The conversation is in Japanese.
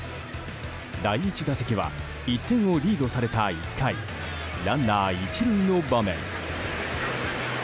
第１打席は１点をリードされた１回ランナー１塁の場面。